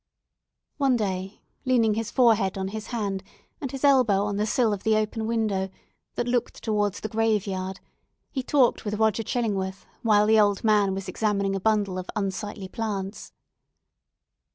One day, leaning his forehead on his hand, and his elbow on the sill of the open window, that looked towards the graveyard, he talked with Roger Chillingworth, while the old man was examining a bundle of unsightly plants.